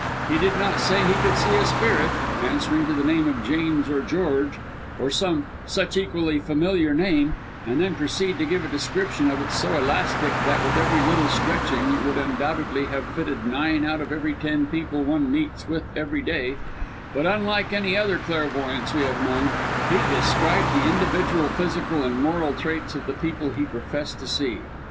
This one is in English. He did not say he could see a spirit, answering to the name of James or George or some such equally familiar name and then proceed to give a description of it, so elastic, that with very little stretching it would undoubtedly have fitted nine out of every ten people one meets with every day, but unlike any other clairvoyants we have known, he described the individual physical and moral traits of the people he professed to see.